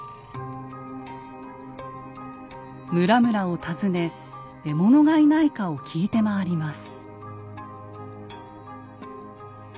村々を訪ね獲物がいないかを聞いて回ります。